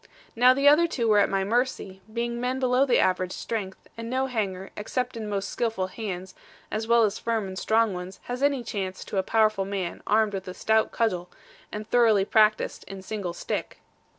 Now the other two were at my mercy, being men below the average strength; and no hanger, except in most skilful hands, as well as firm and strong ones, has any chance to a powerful man armed with a stout cudgel, and thoroughly practised in single stick.